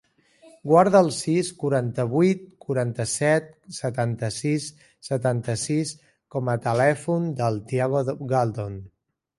Guarda el sis, quaranta-vuit, quaranta-set, setanta-sis, setanta-sis com a telèfon del Thiago Galdon.